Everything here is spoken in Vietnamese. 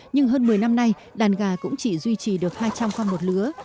nhưng hơn một mươi năm nay đàn gà cũng chỉ duy trì được hai trăm linh con một lứa